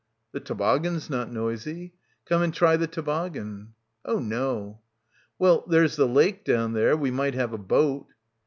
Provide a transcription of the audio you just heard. "The toboggan's not noisy. Come and try the toboggan." "Oh no." "Well — there's the lake down there. We might have a boat."